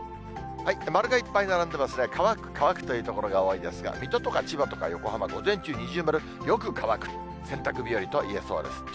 丸がいっぱい並んでますね、乾く、乾くという所が多いですが、水戸とか千葉とか横浜、午前中、二重丸、よく乾く、洗濯日和といえそうです。